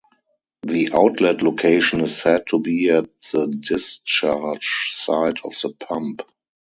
The outlet location is said to be at the discharge side of the pump.